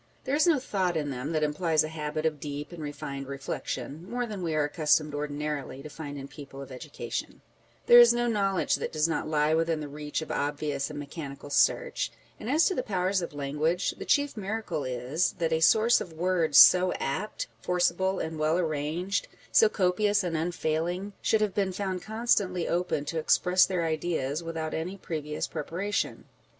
There is no thought in them that implies a habit of deep and refined reflection (more than we are accustomed ordinarily to find in people of education) ; there is no knowledge that does not lie within the reach of obvious and mechanical search ; and as to the powers of language, the chief miracle is, that a source of words so apt, forcible, and well arranged, so copious and unfailing, should have been found constantly open to express their ideas without any previous prepara tion.